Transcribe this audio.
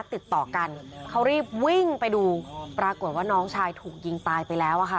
ติดต่อกันเขารีบวิ่งไปดูปรากฏว่าน้องชายถูกยิงตายไปแล้วอะค่ะ